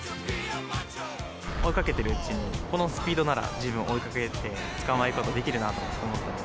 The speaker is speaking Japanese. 追いかけているうちに、このスピードなら十分追いかけて、捕まえることができるなと思ったんで。